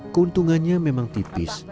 keuntungannya memang tipis